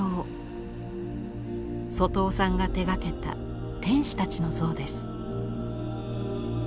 外尾さんが手がけた天使たちの像です。